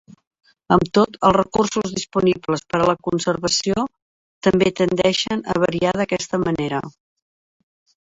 Amb tot, els recursos disponibles per a la conservació també tendeixen a variar d'aquesta manera.